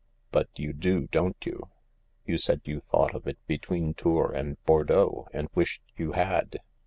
" But you do, don't you ? You said you thought of it between Tours and Bordeaux, and wished you had."